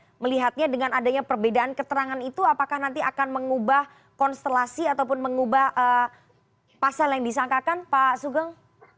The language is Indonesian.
anda melihatnya dengan adanya perbedaan keterangan itu apakah nanti akan mengubah konstelasi ataupun mengubah pasal yang disangkakan pak sugeng